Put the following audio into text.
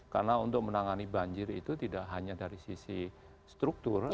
karena untuk menangani banjir itu tidak hanya dari sisi struktur